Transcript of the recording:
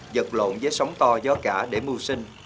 giật lộn với sóng to gió cả để mua sinh